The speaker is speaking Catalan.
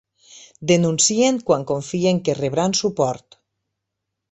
Denuncien quan confien que rebran suport.